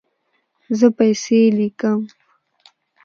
زه پیسې لیکم